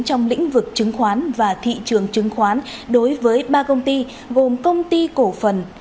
trong lĩnh vực chứng khoán và thị trường chứng khoán đối với ba công ty gồm công ty cổ phần